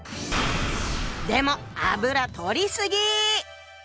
でも油とりすぎ！